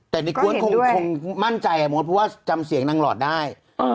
แต่ไม่กว่าวีนทร์คงมั่นใจเพราะว่าจ่ำเสียงนางลอดได้